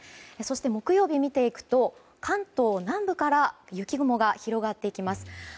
そして、木曜日を見ていくと関東南部から雪雲が広がってきます。